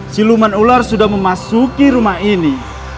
siluman ular sudah memasuki rumah ini